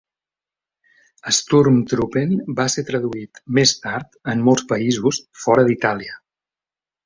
"Sturmtruppen" va ser traduït més tard en molts països fora d'Itàlia.